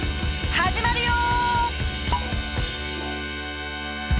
始まるよ！